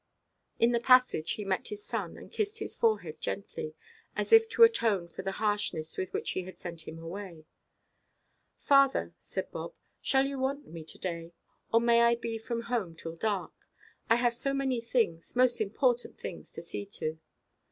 In the passage he met his son, and kissed his forehead gently, as if to atone for the harshness with which he had sent him away. "Father," said Bob, "shall you want me to–day? Or may I be from home till dark? I have so many things, most important things, to see to."